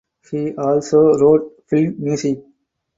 He also wrote film music.